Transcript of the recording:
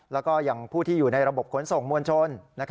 แล้วก็อย่างผู้ที่อยู่ในระบบขนส่งมวลชน